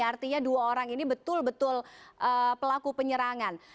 artinya dua orang ini betul betul pelaku penyerangan